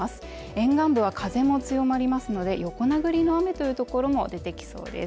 沿岸部は風も強まりますので横殴りの雨というところも出てきそうです。